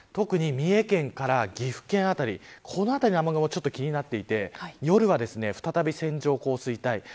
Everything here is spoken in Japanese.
特に三重県から岐阜県辺りこの辺りの雨雲が気になっていて夜は再び線状降水帯。